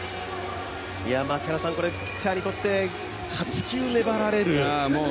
ピッチャーにとって８球、粘られる。